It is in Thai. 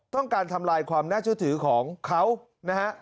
ต้องการทำลายความน่าเชื่อถือของเขานะฮะ